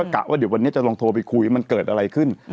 กะว่าเดี๋ยววันนี้จะลองโทรไปคุยมันเกิดอะไรขึ้น